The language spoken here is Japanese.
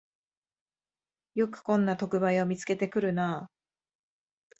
よくこんな特売を見つけてくるなあ